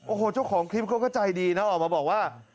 โอ้โหเจ้าของคลิปเขาก็ใจดีนะออกมาบอกว่า